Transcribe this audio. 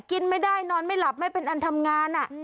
กินไม่ได้นอนไม่หลับไม่เป็นอันทำงาน